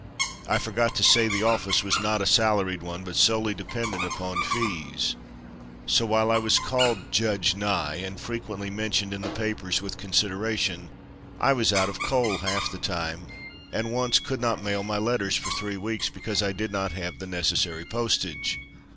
I forgot to say the office was not a salaried one, but solely dependent upon fees. So while I was called Judge Nye and frequently mentioned in the papers with consideration, I was out of coal half the time, and once could not mail my letters for three weeks because I did not have the necessary postage."